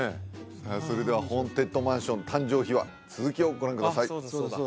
それではホーンテッドマンション誕生秘話続きをご覧ください・ああ